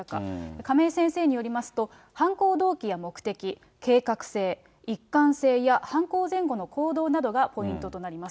亀井先生によりますと、犯行動機や目的、計画性、一貫性や犯行前後の行動などがポイントとなります。